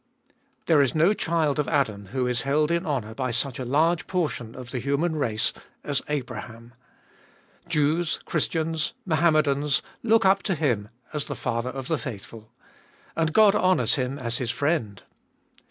THERE is no child of Adam who is held in honour by such a large portion of the human race as Abraham. Jews, Christians, Mohammedans, look up to him as the father of the faithful. And God honours him as His friend